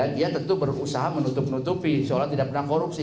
dia tentu berusaha menutup nutupi seolah tidak pernah korupsi